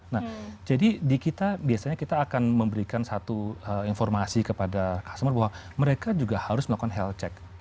nah jadi di kita biasanya kita akan memberikan satu informasi kepada customer bahwa mereka juga harus melakukan health check